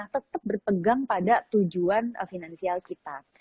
tetap berpegang pada tujuan finansial kita